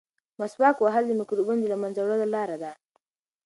مسواک وهل د مکروبونو د له منځه وړلو لاره ده.